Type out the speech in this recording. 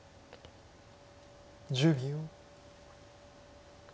１０秒。